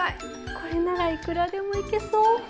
これならいくらでも行けそう。